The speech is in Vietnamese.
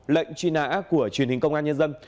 lệnh truy nã của truyền hình công an nhân dân